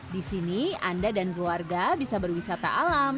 di sini anda dan keluarga bisa berwisata alam